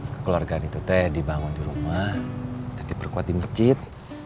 kekeluargaan itu teh dibangun di rumah dan diperkuat di masjid